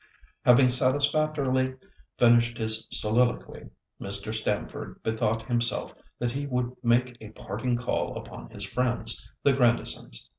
Having satisfactorily finished his soliloquy, Mr. Stamford bethought himself that he would make a parting call upon his friends, the Grandisons.